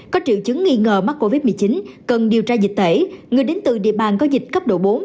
có triệu chứng nghi ngờ mắc covid một mươi chín cần điều tra dịch tễ người đến từ địa bàn có dịch cấp độ bốn